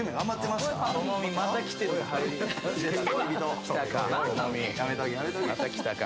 また来たか。